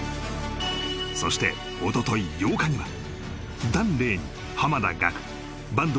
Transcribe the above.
そしておととい８日には檀れいに濱田岳坂東